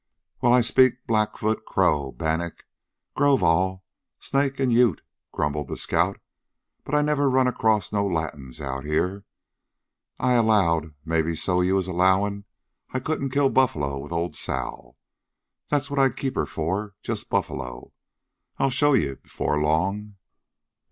"Well, I speak Blackfoot, Crow, Bannack, Grow Vaw, Snake an' Ute," grumbled the scout, "but I never run acrost no Latins out here. I allowed maybe so ye was allowin' I couldn't kill buffler with Ole Sal. That's what I keep her fer just buffler. I'll show ye afore long."